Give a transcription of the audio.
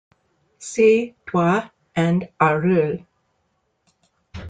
See Duat and Aaru.